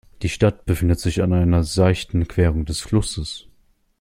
Die Stadt befindet sich an einer seichten Querung des Flusses.